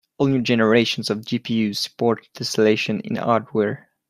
All new generations of GPUs support tesselation in hardware.